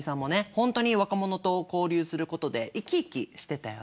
本当に若者と交流することで生き生きしてたよね。